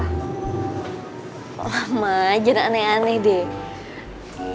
lama aja ada aneh aneh deh